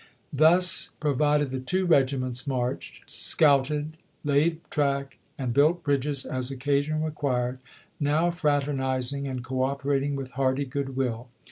Thus provided, the two regiments marched, scouted, laid track, and built bridges as occasion required ; now fraternizing and cooperating with hearty good will.